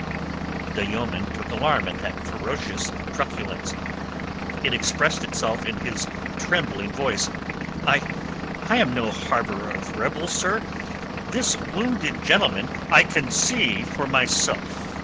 The yeoman took alarm at that ferocious truculence. It expressed itself in his trembling voice. "I... I am no harbourer of rebels, sir. This wounded gentleman...." "I can see for myself."